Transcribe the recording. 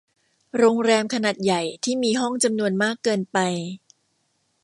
โรงแรมขนาดใหญ่ที่มีห้องจำนวนมากเกินไป